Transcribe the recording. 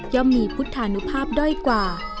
มีพุทธานุภาพด้อยกว่า